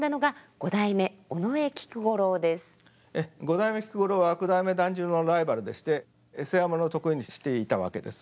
五代目菊五郎は九代目團十郎のライバルでして世話物を得意にしていたわけです。